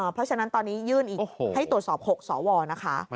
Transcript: เพราะฉะนั้นตอนนี้ยื่นอีกให้ตรวจสอบ๖สวนะคะ